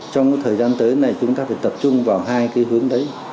trong thời gian tới này chúng ta phải tập trung vào hai cái hướng đấy